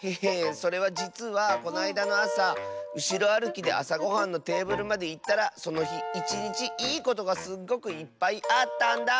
それはじつはこないだのあさうしろあるきであさごはんのテーブルまでいったらそのひいちにちいいことがすっごくいっぱいあったんだ。